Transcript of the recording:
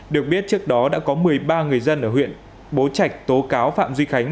được biết trước đó đã có một mươi ba người dân ở huyện bố trạch tố cáo phạm duy khánh